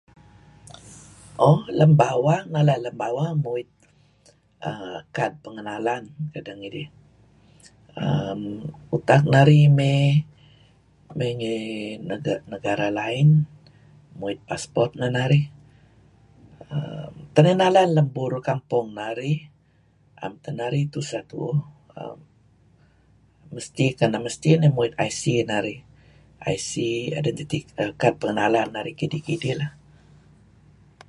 Oh mala lem bawang muit Kad Penganalan kedeh ngidih uhm utak narih may ngi negara lain muit passport neh narih uhm. Tak narih nalan lem burur kampong narih am teh narih tuseh tuuhm keneh mesti narih muit IC narih, IC Identity Card narih nalan kidih-kidih. Kineh lah.